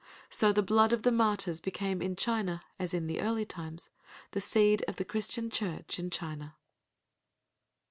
So the blood of the martyrs became in China, as in the early times, the seed of the Christian Church in China.